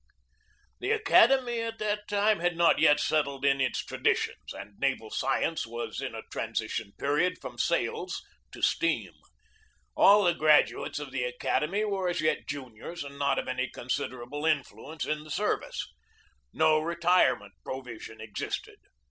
The academy at that time had not yet settled in its traditions, and naval science was in a transition period from sails to steam. All the graduates of the academy were as yet juniors and not of any consid erable influence in the service. No retirement pro vision existed.